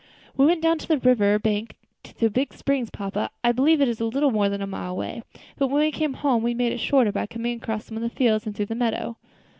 "We went down the river bank to the big spring, papa. I believe it is a little more than a mile that way; but when we came home, we made it shorter by coming across some of the fields and through the meadow."